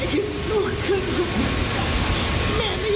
อยากให้ลูกกลับขึ้นมาอย่างเดียว